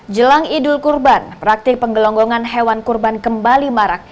jelang idul kurban praktik penggelonggongan hewan kurban kembali marak